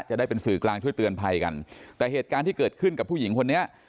จะได้เป็นสื่อกลางช่วยเตือนภัยกันแต่เหตุการณ์ที่เกิดขึ้นกับผู้หญิงคนนี้